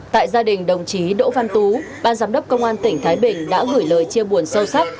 tại gia đình đồng chí đỗ văn tú ban giám đốc công an tỉnh thái bình đã gửi lời chia buồn sâu sắc